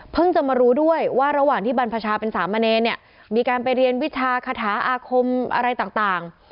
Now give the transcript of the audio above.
จะมารู้ด้วยว่าระหว่างที่บรรพชาเป็นสามเณรเนี่ยมีการไปเรียนวิชาคาถาอาคมอะไรต่าง